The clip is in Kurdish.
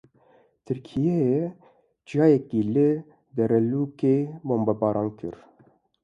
Tirkiyeyê çiyayekî li Dêrelûkê bombebaran kir.